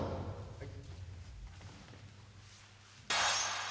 はい。